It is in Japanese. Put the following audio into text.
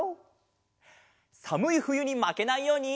さむいふゆにまけないように。